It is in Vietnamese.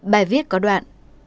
bài viết có đoạn